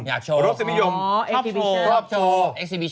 อยากโชว์อ๋อเอ็กซีบิชันอ๋อรถสินิยมชอบโชว์